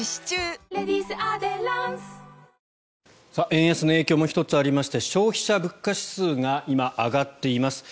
円安の影響も１つありまして消費者物価指数が今、上がっています。